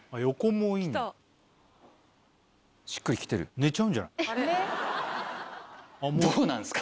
寝ちゃうんじゃない？